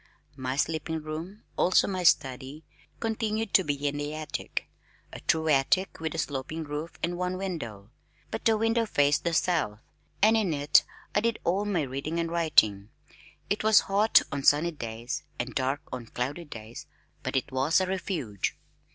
My sleeping room (also my study), continued to be in the attic (a true attic with a sloping roof and one window) but the window faced the south, and in it I did all my reading and writing. It was hot on sunny days and dark on cloudy days, but it was a refuge.